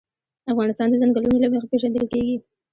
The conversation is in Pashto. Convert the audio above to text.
افغانستان د ځنګلونه له مخې پېژندل کېږي.